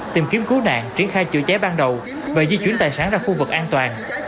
tìm kiếm cứu nạn triển khai chữa cháy ban đầu và di chuyển tài sản ra khu vực an toàn